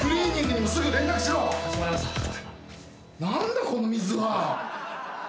何だこの水は！？